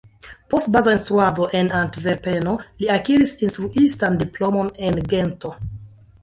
Post baza instruado en Antverpeno li akiris instruistan diplomon en Gento.